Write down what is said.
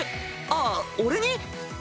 あっ俺に？